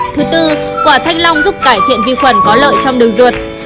thứ tư quả thanh long giúp cải thiện vi khuẩn có lợi trong đường ruột